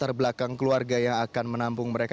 terbelakang keluarga yang akan menampung mereka